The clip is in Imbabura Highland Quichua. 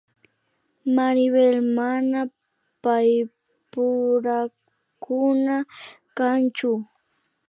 Maribel mana paypurakuna kanchu